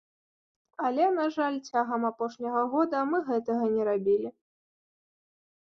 Але, на жаль, цягам апошняга года мы гэтага не рабілі.